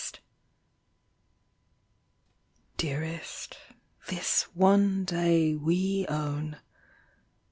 62 Dearest, this one day we own.